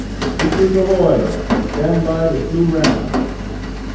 "_Sleepers ahoy! stand by to slew round!